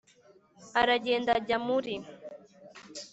aragenda ajjya muri